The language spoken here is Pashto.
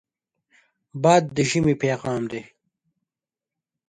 باد د ژمې پیغام دی